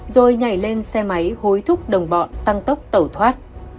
rồi nhảy lên xe máy hối thúc đồng bọn tăng tốc tẩu thoát